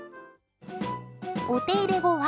お手入れ後は。